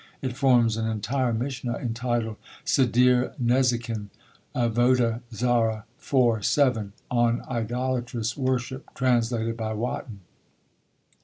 It forms an entire Mishna, entitled Sedir Nezikin, Avoda Zara, iv. 7. on idolatrous worship, translated by Wotton.